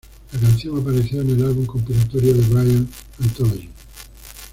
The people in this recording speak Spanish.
La canción apareció en el álbum compilatorio de Bryan: "Anthology".